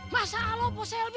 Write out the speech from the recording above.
masalah apa selby